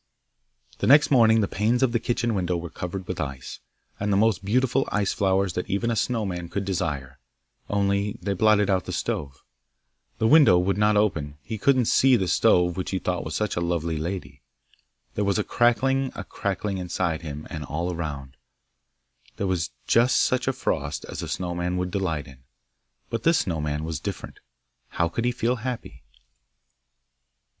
Next morning the panes of the kitchen window were covered with ice, and the most beautiful ice flowers that even a snow man could desire, only they blotted out the stove. The window would not open; he couldn't see the stove which he thought was such a lovely lady. There was a cracking and cracking inside him and all around; there was just such a frost as a snow man would delight in. But this Snow man was different: how could he feel happy?